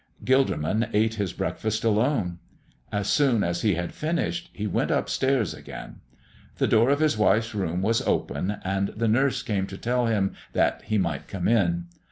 Gilderman ate his breakfast alone. As soon as he had finished he went up stairs again. The door of his wife's room was open, and the nurse came to tell him that he might come in.